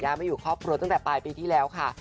มาอยู่ครอบครัวตั้งแต่ปลายปีที่แล้วค่ะ